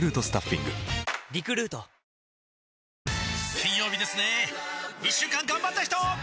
金曜日ですね一週間がんばった人！